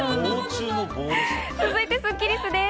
続いてスッキりすです。